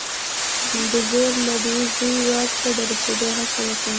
د زوړ مدعي زوی واک ته د رسېدو هڅه وکړه.